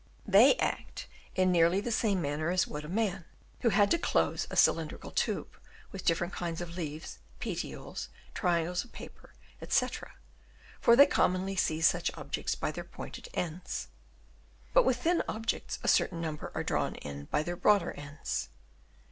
They act in nearly the same manner as would a man, who had to close a cylindrical tube with different kinds of leaves, petioles, triangles of paper, &c, for they commonly seize such objects by their pointed ends. But with thin objects a certain number are drawn in by their broader ends.